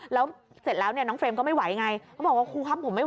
แล้วเสร็จแล้วเนี่ยน้องเฟรมก็ไม่ไหว